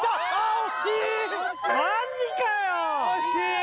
惜しい！